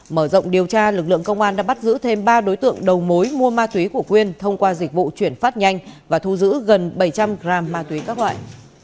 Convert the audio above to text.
mở rộng điều tra lực lượng công an đã bắt giữ thêm ba đối tượng đầu mối mua ma túy của quyên thông qua dịch vụ chuyển phát nhanh và thu giữ gần bảy trăm linh g ma túy các loại